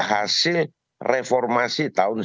hasil reformasi tahun tujuh puluh